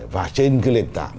và trên cái lền tảng